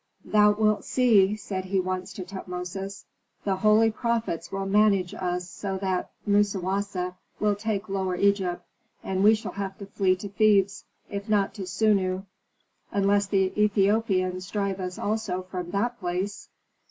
"Thou wilt see!" said he once to Tutmosis. "The holy prophets will manage us so that Musawasa will take Lower Egypt, and we shall have to flee to Thebes, if not to Sunnu, unless the Ethiopians drive us also from that place."